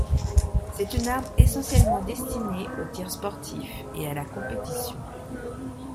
C'est une arme essentiellement destinée au tir sportif et à la compétition.